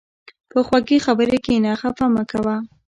په خوږې خبرې کښېنه، خفه مه کوه.